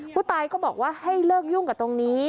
ผู้ตายก็บอกว่าให้เลิกยุ่งกับตรงนี้